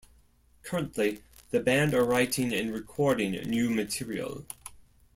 Currently the band are writing and recording new material.